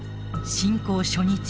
侵攻初日